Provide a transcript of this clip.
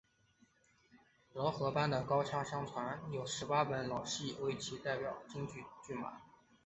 饶河班的高腔相传有十八本老戏为其代表剧码。